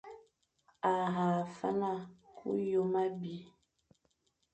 A hagha fana ku hyôm abî,